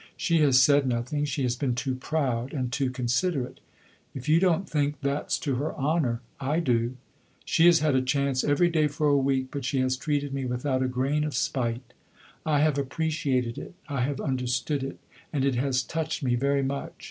She has said nothing; she has been too proud and too considerate. If you don't think that 's to her honor, I do. She has had a chance every day for a week, but she has treated me without a grain of spite. I have appreciated it, I have understood it, and it has touched me very much.